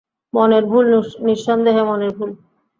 মনের ভুল, নিঃসন্দেহে মনের ভুল।